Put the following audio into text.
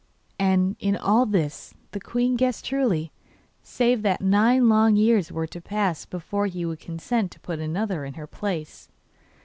And in all this the queen guessed truly, save that nine long years were to pass before he would consent to put another in her place.